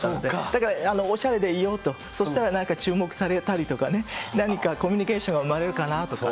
だからおしゃれでいようと、そしたら注目されたりとかね、何かコミュニケーション生まれるかなとか。